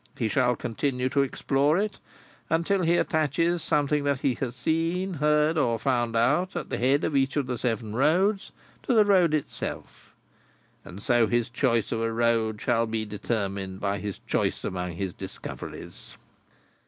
He shall continue to explore it, until he attaches something that he has seen, heard, or found out, at the head of each of the seven roads, to the road itself. And so his choice of a road shall be determined by his choice among his discoveries."